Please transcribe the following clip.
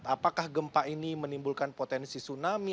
apakah gempa ini menimbulkan potensi tsunami